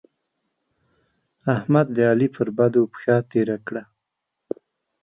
احمد؛ د علي پر بدو پښه تېره کړه.